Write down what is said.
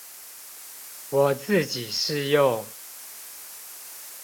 我自己是用